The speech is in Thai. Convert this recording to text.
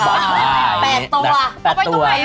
๘ตัวเอาไปตัวไหนลูกภาพ